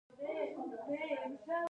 د جلیانواله باغ قتل عام وشو.